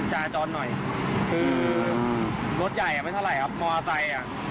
ถ้าเป็นอย่างนี้